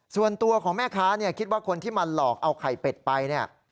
ส่วนตัวของแม่ค้าคิดว่าคนที่มาหลอกเอาไข่เป็ดไป